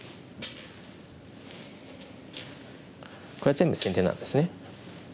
これ全部先手なんですね。